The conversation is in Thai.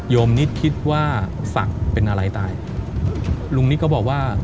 มนิดคิดว่าศักดิ์เป็นอะไรตายลุงนิดก็บอกว่า